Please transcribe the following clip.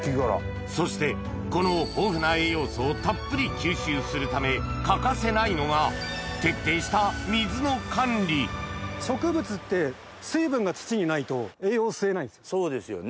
そしてこのをたっぷり吸収するため欠かせないのが徹底したそうですよね。